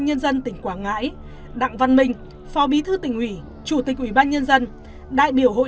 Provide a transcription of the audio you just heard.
nhân dân tỉnh quảng ngãi đặng văn minh phó bí thư tỉnh ủy chủ tịch ủy ban nhân dân đại biểu hội